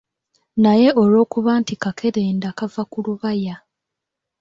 Naye olwokuba nti kakerenda kava ku lubaya.